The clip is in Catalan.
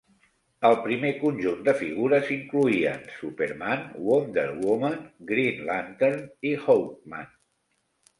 El primer conjunt de figures incloïen Superman, Wonder Woman, Green Lantern i Hawkman.